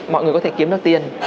mọi người có thể kiếm được tiền